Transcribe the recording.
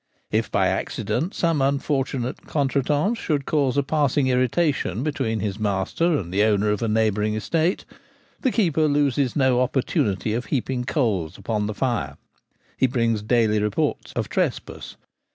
If by accident some unfortunate, contretemps should cause a passing irritation between his master and the owner of a neighbouring estate, the keeper loses no opportunity of heaping coals upon the fire. He brings daily reports of trespass.